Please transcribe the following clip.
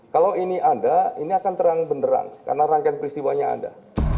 kalau ini ada ini akan terang benderang karena rangkaian peristiwanya ada